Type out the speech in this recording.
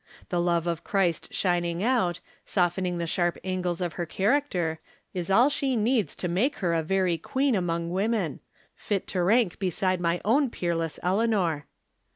The love of Christ shin ing out, softening the sharp angles of her charac ter, is all she needs to make her a very queen From Different Standpoints. 159 among women — fit to rank beside my own peerless Eleanor.